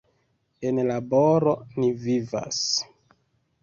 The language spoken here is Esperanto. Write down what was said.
En laboro ni vivas.